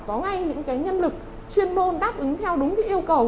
có ngay những nhân lực chuyên môn đáp ứng theo đúng yêu cầu